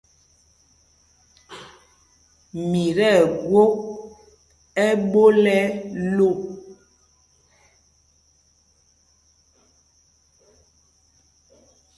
Mi tí ɛgwok ɛ́ɓól ɛ lō.